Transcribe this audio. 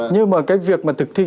nhưng mà cái việc mà thực thi